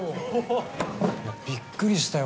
いやびっくりしたよ